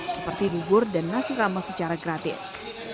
seperti bubur dan nasi rame secara gratis